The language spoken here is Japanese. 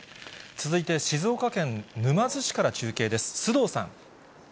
続いて、静岡県沼津市から中継です。